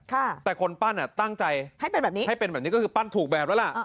แต่คนปั้นตั้งใจให้เป็นแบบนี้ก็คือปั้นถูกแบบแล้วล่ะ